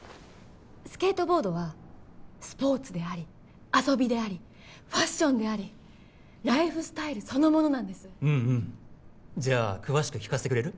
スケートボードはスポーツであり遊びでありファッションでありライフスタイルそのものなんですうんうんじゃあ詳しく聞かせてくれる？